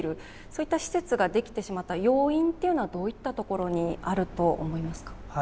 そういった施設ができてしまった要因っていうのはどういったところにあると思いますか？